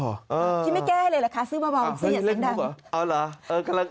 ครีมไม่แก้เลยหรอกค่ะซื้อเบาซื้ออย่างเสียงดัง